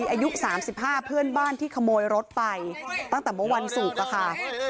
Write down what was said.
ในอายุสามสิบห้าเพื่อนบ้านที่ขโมยรถไปตั้งแต่วันศุกร์ค่ะ